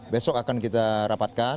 besok akan kita rapatkan